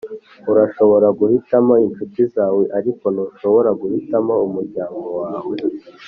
urashobora guhitamo inshuti zawe ariko ntushobora guhitamo umuryango wawe